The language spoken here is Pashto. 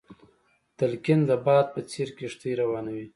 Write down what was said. تلقين د باد په څېر کښتۍ روانوي.